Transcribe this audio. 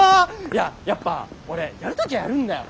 いややっぱ俺やるときゃやるんだようん。